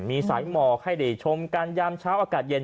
มีสายหมอกให้ได้ชมกันยามเช้าอากาศเย็น